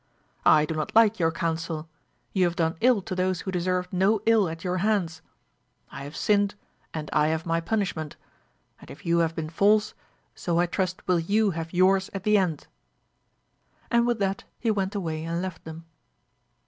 I do not like your counsel ! you have done ill to those who deserved no ill at your hands ! I have AMADIS OF GAUL, 133 sinned and I have my punishment; and if you have been false so I trust will you have yours at the end. And with that he went away and left them.